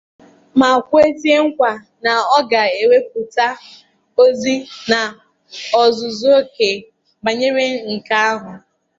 ma kwezie nkwa na ọ ga-ewepụta ozi n'ozuzuoke banyere nke ahụ